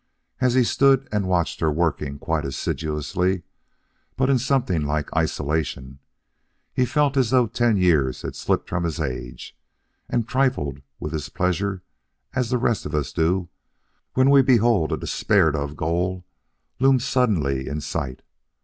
As he stood and watched her working quite assiduously but in something like isolation, he felt as though ten years had slipped from his age, and trifled with his pleasure as the rest of us do when we behold a despaired of goal loom suddenly in sight.